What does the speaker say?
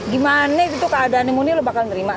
gimana itu tuh keadaannya murni lo bakal nerima tuh